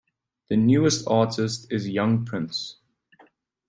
The newest artist is Young Prince.